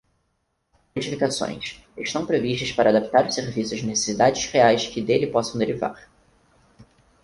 Modificações: estão previstas para adaptar o serviço às necessidades reais que dele possam derivar.